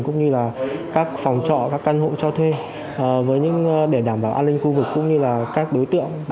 cũng như là các phòng trọ các căn hộ cho thuê để đảm bảo an ninh khu vực cũng như là các đối tượng